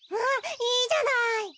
あっいいじゃない。